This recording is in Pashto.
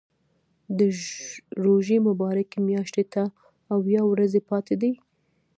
د روژې مبارکې میاشتې ته اویا ورځې پاتې دي.